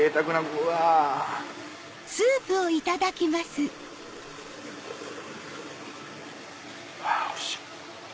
うわおいしい。